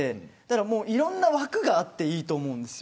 ただ、いろんな枠があっていいと思うんです。